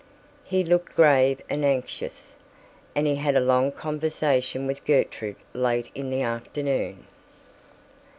He looked grave and anxious, and he had a long conversation with Gertrude late in the afternoon.